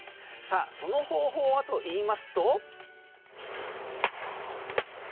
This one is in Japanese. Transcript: その方法はといいますと。